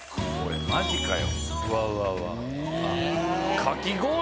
マジかよ。